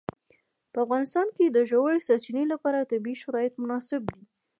په افغانستان کې د ژورې سرچینې لپاره طبیعي شرایط مناسب دي.